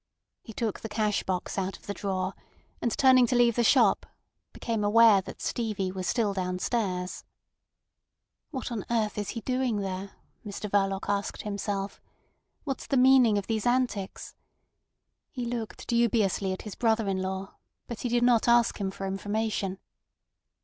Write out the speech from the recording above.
He took the cash box out of the drawer, and turning to leave the shop, became aware that Stevie was still downstairs. What on earth is he doing there? Mr Verloc asked himself. What's the meaning of these antics? He looked dubiously at his brother in law, but he did not ask him for information.